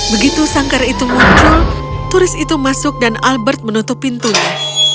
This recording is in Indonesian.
begitu sangkar itu muncul turis itu masuk dan albert menutup pintunya